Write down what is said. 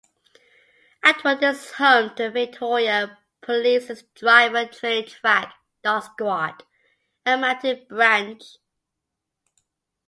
Attwood is home to Victoria Police's driver training track, Dog Squad and Mounted Branch.